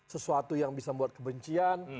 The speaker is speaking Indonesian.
sesuatu yang bisa membuat kebencian